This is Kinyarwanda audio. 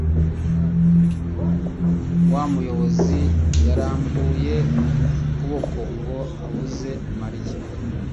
Wa muyobizi yarambuye ukuboko ngo abuze Mariya.